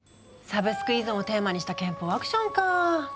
サブスク依存をテーマにした拳法アクションかぁ。